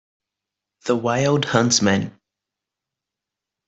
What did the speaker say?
The wild huntsman.